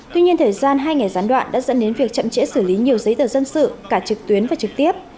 tuy nhiên thời gian hai ngày gián đoạn đã dẫn đến việc chậm trễ xử lý nhiều giấy tờ dân sự cả trực tuyến và trực tiếp